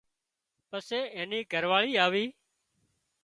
پسي اين نِي گھر واۯي آوي